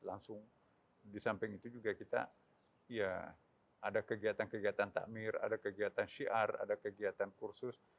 langsung di samping itu juga kita ya ada kegiatan kegiatan takmir ada kegiatan syiar ada kegiatan kursus